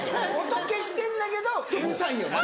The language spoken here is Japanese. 音消してんだけどうるさいよね。